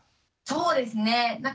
そうですね。